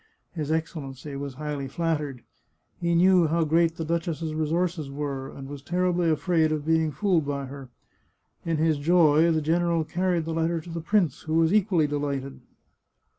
His Excellency was highly flattered. He know how great the duchess's resources were, and was terribly afraid of being fooled by her. In his joy the general carried the letter to the prince, who was equally delighted.